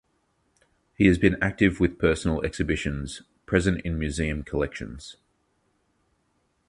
He has been active with personal exhibitions (present in museum collections).